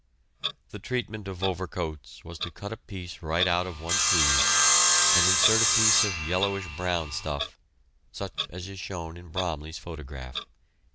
The treatment of overcoats was to cut a piece right out of one sleeve, and insert a piece of yellowish brown stuff, such as is shown in Bromley's photograph.